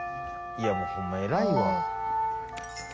いやもうほんま偉いわ。